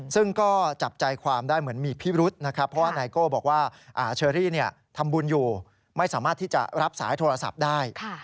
ซึ่งก็จับใจความได้เหมือนมีพิรุษนะครับเพราะว่าไนโก้บอกว่าเชอรี่ทำบุญอยู่ไม่สามารถที่จะรับสายโทรศัพท์ได้